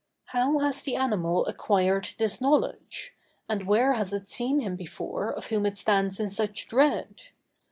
How has the animal acquired this knowledge? And where has it seen him before, of whom it stands in such dread?